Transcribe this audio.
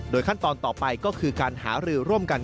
ขั้นตอนต่อไปก็คือการหารือร่วมกัน